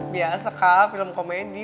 biasa kak film komedi